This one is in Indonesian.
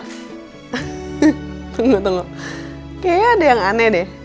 tunggu tunggu kayaknya ada yang aneh deh